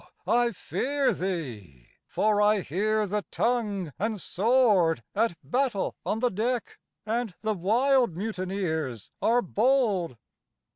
I fear thee, for I hear the tongue and sword At battle on the deck, and the wild mutineers are bold!